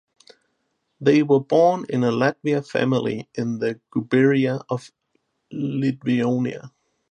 They were born in a Latvian family in the gubernia of Livonia.